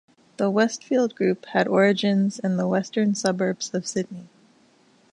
The Westfield Group had origins in the western suburbs of Sydney.